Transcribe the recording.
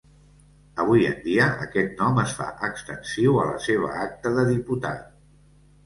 Avui en dia aquest nom es fa extensiu a la seva acta de diputat.